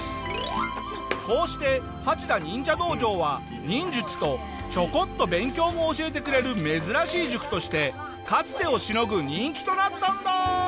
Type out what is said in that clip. こうして八田忍者道場は忍術とちょこっと勉強も教えてくれる珍しい塾としてかつてをしのぐ人気となったんだ。